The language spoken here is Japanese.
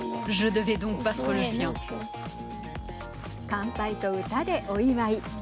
乾杯と歌でお祝い。